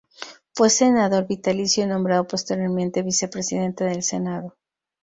Fue Senador Vitalicio y nombrado posteriormente Vice-presidente del Senado.